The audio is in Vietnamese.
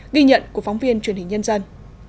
ghi nhận của phóng viên truyền hình nhân dân